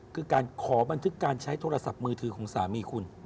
คือการขอบันทึกการใช้โทรศัพท์มือถือของสามีคุณ